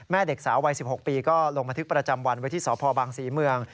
เด็กสาววัย๑๖ปีก็ลงบันทึกประจำวันไว้ที่สพบังศรีเมือง